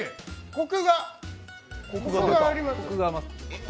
コクがあります。